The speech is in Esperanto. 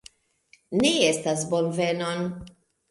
Ne estas bonvenon